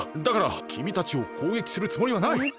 だからきみたちをこうげきするつもりはない！